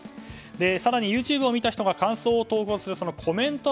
更にＹｏｕＴｕｂｅを見た人が感想を投稿するコメント欄